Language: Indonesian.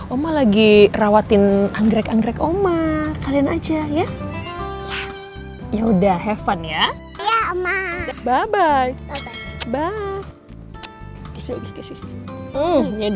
oma lagi rawatin anggrek anggrek oma kalian aja ya ya udah heaven ya bye bye bye bye